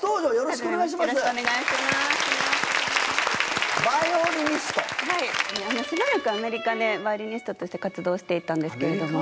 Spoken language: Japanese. しばらくアメリカでバイオリニストとして活動していたんですけれども。